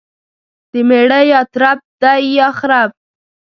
دميړه يا ترپ دى يا خرپ.